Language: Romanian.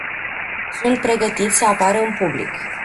Sunt pregătiți să apară în public.